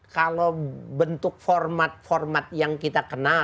kalau bentuk format format yang kita kenal